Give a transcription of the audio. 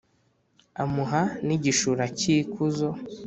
amuha n’igishura cy’ikuzo.